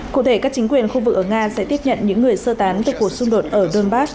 cụ thể các chính quyền khu vực ở nga sẽ tiếp nhận những người sơ tán từ cuộc xung đột ở donbass